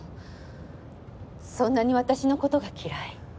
そんなに私の事が嫌い？